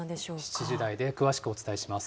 ７時台で詳しくお伝えします。